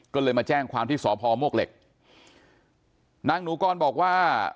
ก็เลยมาแจ้งความที่สพมวกเหล็กนางหนูกรบอกว่า